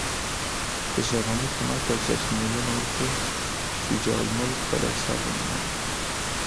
د شاه محمود له ماتې او تسلیمیدو نه وروسته شجاع الملک بالاحصار ته ننوت.